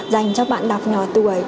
dành cho bạn đọc nhỏ